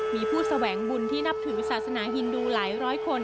มีผู้แสวงบุญที่นับถือศาสนาฮินดูหลายร้อยคน